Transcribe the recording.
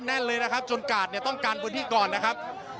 แน่นเลยนะครับจนกาดเนี่ยต้องการพื้นที่ก่อนนะครับ